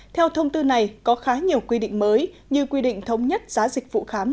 theo thông tư này có khá nhiều quy định mới như quy định thống nhất giá dịch vụ khám